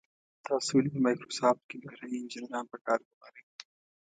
تاسو ولې په مایکروسافټ کې بهرني انجنیران په کار ګمارئ.